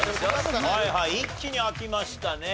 一気に開きましたね。